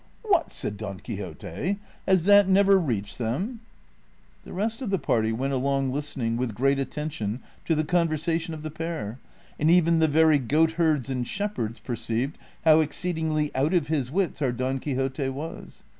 " What !" said Don Quixote, " has that never reached them ?" The rest of the party went along listening with great atten tion to the conversation of the pair, and even the very goat herds and shepherds perceived how exceedingly out of his wits our Don Quixote was.